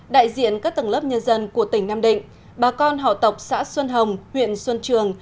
đại diện các tầng lớp nhân dân của tỉnh nam định bà con họ tộc xã xuân hồng huyện xuân trường